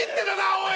おい。